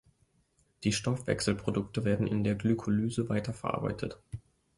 Die Stoffwechselprodukte werden in der Glykolyse weiterverarbeitet.